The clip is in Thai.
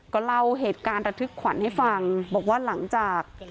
ก็เล่าเหตุการณ์ระทึกขวัญให้ฟังบอกว่าหลังจาก